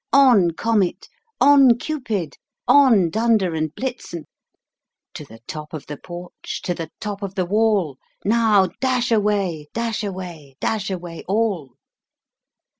On! Comet, on! Cupid, on! Dunder and Blitzen To the top of the porch, to the top of the wall! Now, dash away, dash away, dash away all!"